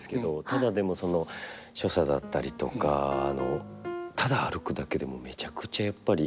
ただでもその所作だったりとかただ歩くだけでもめちゃくちゃやっぱり。